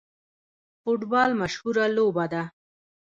فوټبال مشهوره لوبه ده